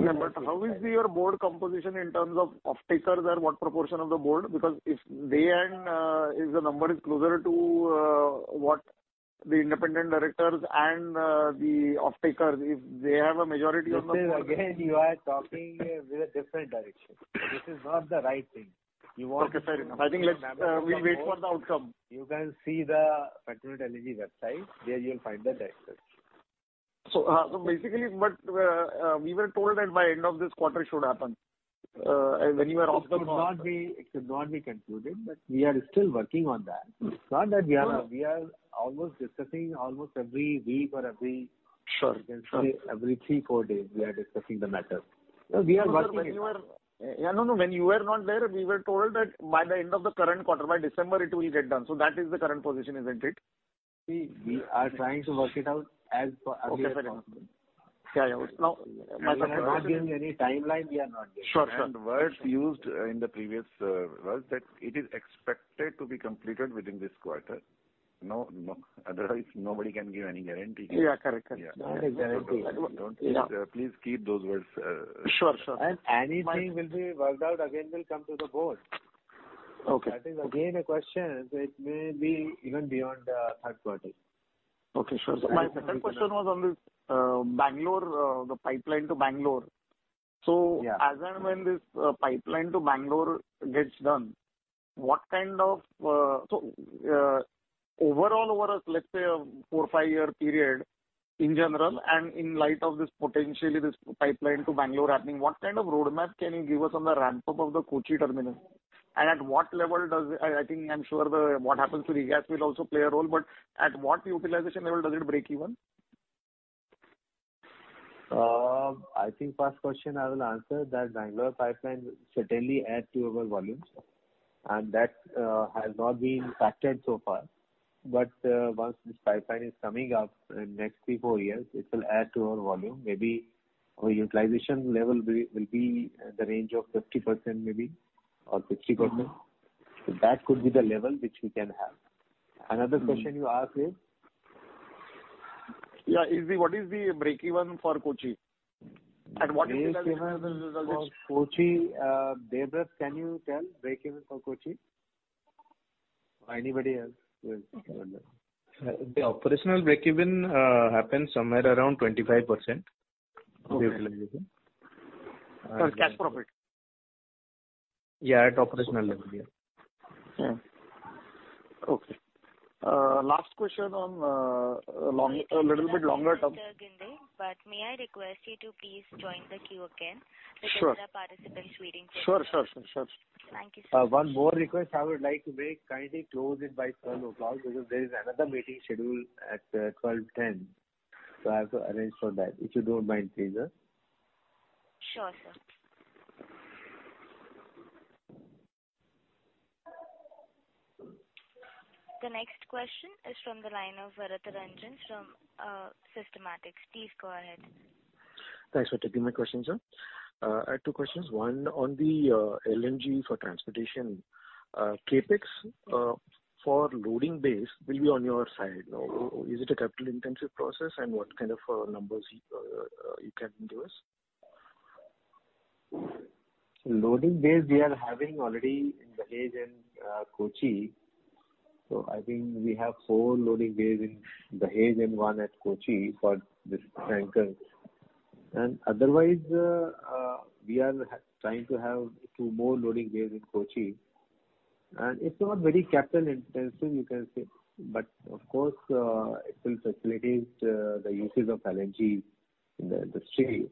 S19: Yeah, but how is your board composition in terms of offtakers and what proportion of the board? Because if they, if the number is closer to what the independent directors and the offtakers, if they have a majority on the board-
S2: This is again, you are talking with a different direction. This is not the right thing. You want-
S19: Okay, fair enough. I think let's, we'll wait for the outcome.
S2: You can see the Petronet LNG website, there you'll find the directors.
S19: So basically, we were told that by end of this quarter it should happen when you were off the call.
S2: It should not be, it should not be concluded, but we are still working on that. Not that we are... We are almost discussing almost every week or every-
S19: Sure, sure.
S2: Every three, four days, we are discussing the matter. No, we are working on it.
S19: Yeah, no, no. When you were not there, we were told that by the end of the current quarter, by December, it will get done. So that is the current position, isn't it?
S2: We are trying to work it out as per-
S19: Okay, fair enough.
S2: Yeah, yeah. Now, we are not giving any timeline, we are not giving.
S19: Sure, sure.
S6: Words used in the previous was that it is expected to be completed within this quarter. No, no, otherwise, nobody can give any guarantee.
S19: Yeah, correct, correct.
S2: Not a guarantee.
S6: Please keep those words.
S19: Sure, sure.
S2: Any money will be worked out, again, will come to the board.
S19: Okay.
S2: That is, again, a question, so it may be even beyond the third quarter.
S19: Okay, sure. So my second question was on this, Bengaluru, the pipeline to Bengaluru.
S2: Yeah.
S19: As and when this pipeline to Bangalore gets done, what kind of overall over a, let's say, a four- to five-year period, in general, and in light of this, potentially this pipeline to Bangalore happening, what kind of roadmap can you give us on the ramp-up of the Kochi terminal? And at what level does, I think, what happens to regas will also play a role, but at what utilization level does it break even?
S2: I think first question I will answer that Bangalore pipeline certainly add to our volumes, and that has not been factored so far. But once this pipeline is coming up in next 3-4 years, it will add to our volume. Maybe our utilization level will be in the range of 50% maybe, or 60%. That could be the level which we can have. Another question you asked is?
S19: Yeah, what is the breakeven for Kochi? At what-
S2: Break even for Kochi, Debabrata, can you tell, break even for Kochi? Or anybody else who has...
S19: The operational breakeven happens somewhere around 25% of utilization.
S3: Cash profit?
S2: Yeah, at operational level, yeah.
S19: Hmm, okay. Last question on a little bit longer term.
S1: But may I request you to please join the queue again?
S19: Sure.
S1: So that the participants waiting for you.
S19: Sure, sure, sure, sure.
S1: Thank you, sir.
S2: One more request I would like to make. Kindly close it by 12 o'clock, because there is another meeting scheduled at 12:10. So I have to arrange for that, if you don't mind, please.
S1: Sure, sir. The next question is from the line of Varatharajan Sivasankaran from Systematix. Please go ahead.
S20: Thanks for taking my question, sir. I have two questions. One, on the LNG for transportation, CapEx for loading bays will be on your side. No... Is it a capital-intensive process? And what kind of numbers you, you can give us?
S2: Loading base, we are having already in Dahej and Kochi. So I think we have 4 loading bays in Dahej and 1 at Kochi for this tanker. And otherwise, we are trying to have 2 more loading bays in Kochi. And it's not very capital-intensive, you can say, but of course, it will facilitate the uses of LNG in the industry.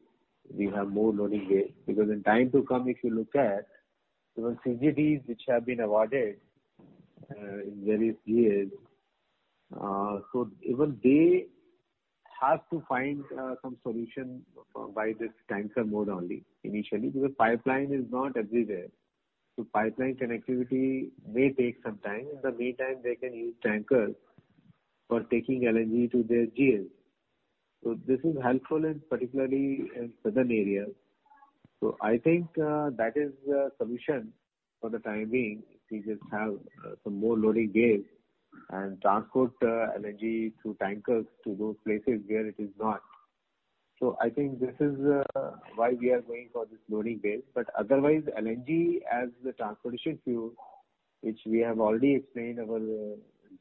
S2: We have more loading bays, because in time to come, if you look at, even CGDs which have been awarded in various years, so even they have to find some solution by this tanker mode only initially, because pipeline is not everywhere. So pipeline connectivity may take some time. In the meantime, they can use tankers for taking LNG to their GA. So this is helpful in, particularly in southern areas. So I think that is the solution for the time being. We just have some more loading bays and transport LNG through tankers to those places where it is not. So I think this is why we are going for this loading base. But otherwise, LNG as the transportation fuel, which we have already explained, our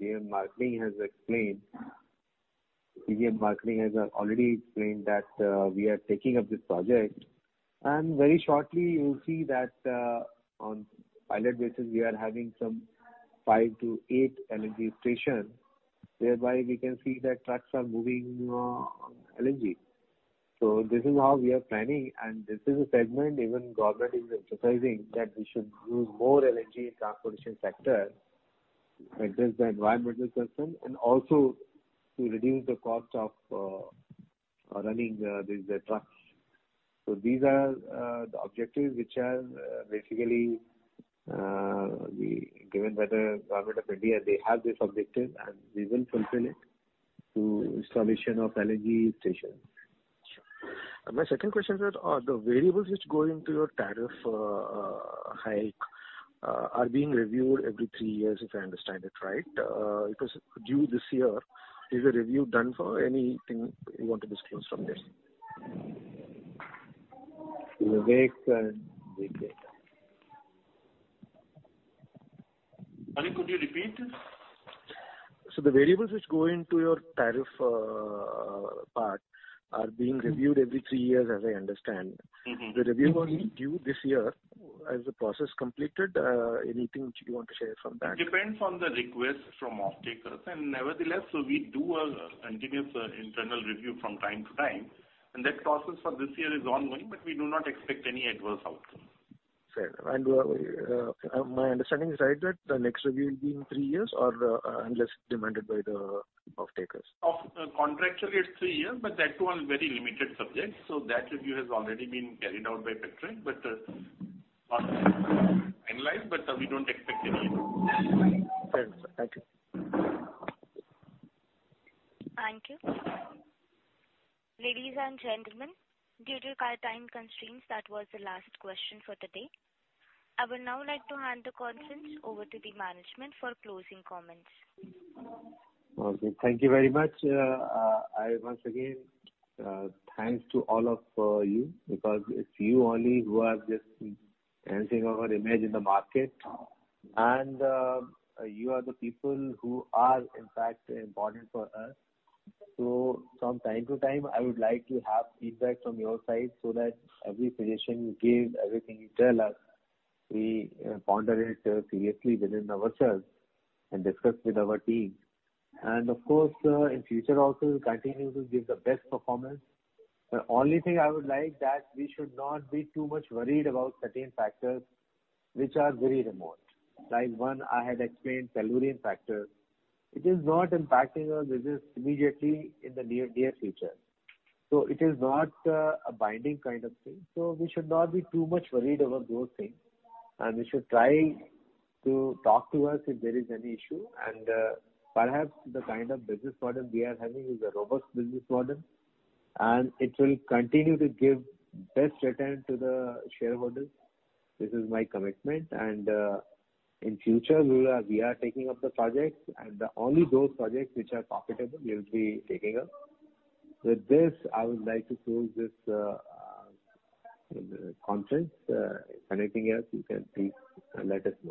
S2: GM Marketing has explained, GM Marketing has already explained that we are taking up this project, and very shortly you'll see that on pilot basis, we are having some 5-8 LNG stations, whereby we can see that trucks are moving LNG. So this is how we are planning, and this is a segment even government is emphasizing, that we should use more LNG in transportation sector. Address the environmental concern and also to reduce the cost of running these trucks. So these are the objectives which are basically given by the Government of India. They have this objective, and we will fulfill it to installation of LNG station.
S20: Sure. My second question is, are the variables which go into your tariff, hike, are being reviewed every three years, if I understand it right? It was due this year. Is a review done for anything you want to disclose from this?
S2: Vivek and Vivek.
S9: Sorry, could you repeat?
S20: The variables which go into your tariff part are being reviewed every three years, as I understand. The review was due this year. Has the process completed? Anything which you want to share from that?
S9: Depends on the request from offtakers, and nevertheless, so we do a continuous internal review from time to time, and that process for this year is ongoing, but we do not expect any adverse outcome.
S20: Fair. My understanding is right, that the next review will be in three years or, unless demanded by the offtakers?
S9: Contractually it's three years, but that one very limited subject, so that review has already been carried out by Petronet, but analyzed, but we don't expect any...
S20: Fair. Thank you.
S1: Thank you. Ladies and gentlemen, due to our time constraints, that was the last question for the day. I would now like to hand the conference over to the management for closing comments.
S2: Okay, thank you very much. I once again thanks to all of you, because it's you only who are just enhancing our image in the market. And you are the people who are in fact important for us. So from time to time, I would like to have feedback from your side so that every suggestion you give, everything you tell us, we ponder it seriously within ourselves and discuss with our team. And of course, in future also we continue to give the best performance. The only thing I would like that we should not be too much worried about certain factors which are very remote. Like, one, I had explained Tellurian factor. It is not impacting our business immediately in the near future, so it is not a binding kind of thing, so we should not be too much worried about those things. And you should try to talk to us if there is any issue. And perhaps the kind of business model we are having is a robust business model, and it will continue to give best return to the shareholders. This is my commitment. And in future, we will, we are taking up the projects, and the only those projects which are profitable we will be taking up. With this, I would like to close this conference. Anything else, you can please let us know.